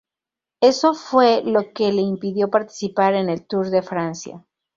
Eso fue lo que le impidió participar en el Tour de Francia.